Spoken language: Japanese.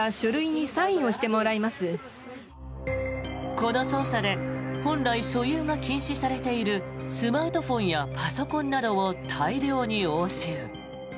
この捜査で本来、所有が禁止されているスマートフォンやパソコンなどを大量に押収。